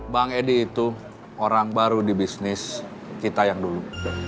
bang edi itu orang baru di bisnis kita yang dulu